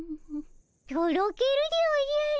とろけるでおじゃる。